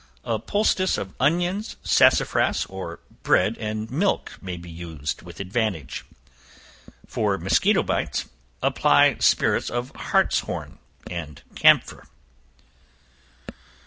A poultice of onions, sassafras, or bread and milk may be used with advantage. For mosquito bites, apply spirits of hartshorn and camphor.